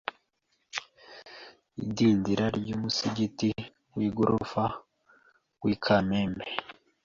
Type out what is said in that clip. idindira ry’umusigiti w’igorofa w’i Kamembe